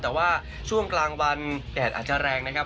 แต่ว่าช่วงกลางวันแดดอาจจะแรงนะครับ